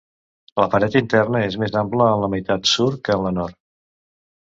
La paret interna és més ampla en la meitat sud que en la nord.